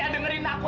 maya dengerin aku